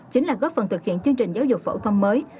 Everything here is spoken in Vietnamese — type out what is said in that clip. chính là góp phần thực hiện chương trình giáo dục phổ thông mới